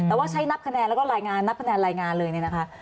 แต่ว่าใช้นับคะแนนแล้วก็รายงานนับคะแนนรายงานเลยเนี่ยนะคะ